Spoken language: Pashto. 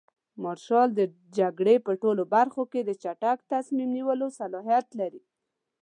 مارشال د جګړې په ټولو برخو کې د چټک تصمیم نیولو صلاحیت لري.